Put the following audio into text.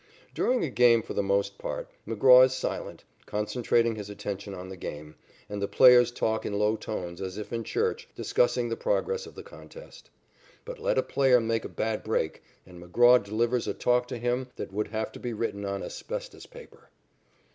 During a game for the most part, McGraw is silent, concentrating his attention on the game, and the players talk in low tones, as if in church, discussing the progress of the contest. But let a player make a bad break, and McGraw delivers a talk to him that would have to be written on asbestos paper.